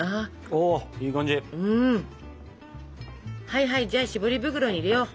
はいはいじゃあ絞り袋に入れよう。